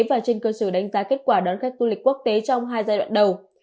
và trên cơ sở đánh giá kết quả đón khách du lịch quốc tế trong hai giai đoạn đầu